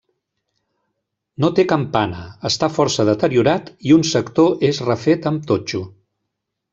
No té campana, està força deteriorat i un sector és refet amb totxo.